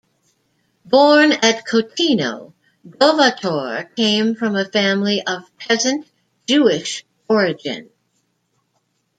Born at Khotino, Dovator came from a family of peasant Jewish origin.